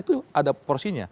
itu ada porsinya